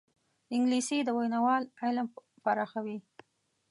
انګلیسي د ویناوال علم پراخوي